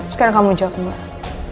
sekarang kamu jawab gue